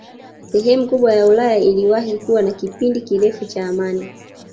Sehemu kubwa ya Ulaya iliwahi kuwa na kipindi kirefu cha amani